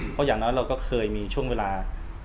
เพราะอย่างน้อยเราก็เคยมีช่วงเวลา